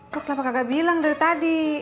kok kenapa kakak bilang dari tadi